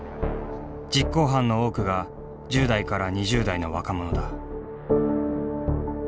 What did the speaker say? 実行犯の多くが１０代から２０代の若者だ。